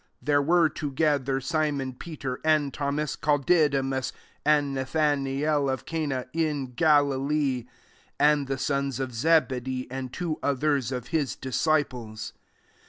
2 There were toget{ier, Simon Peter, and Thomas called Didymus, and Nathanael of Cana in Galilee, and the sons of Zebedee, and two others of his disciples.